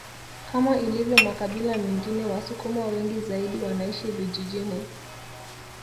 Kama ilivyo makabila mengine wasukuma wengi zaidi wanaishi vijijini